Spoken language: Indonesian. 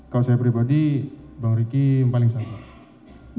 kalau saya pribadi bang riki yang paling sabar